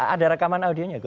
ada rekaman audionya gus